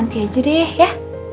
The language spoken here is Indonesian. nanti aja deh ya